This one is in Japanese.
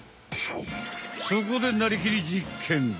そこで「なりきり！実験！」。